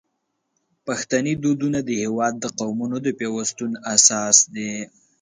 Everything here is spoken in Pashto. پښتني دودونه د هیواد د قومونو د پیوستون اساس دي.